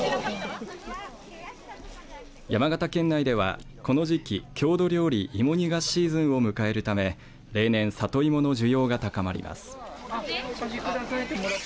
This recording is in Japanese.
山形県内では、この時期郷土料理、芋煮がシーズンを迎えるため例年、里芋の需要が高まります。